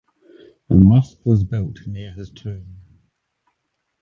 A mosque was built near his tomb.